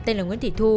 tên là nguyễn thị thu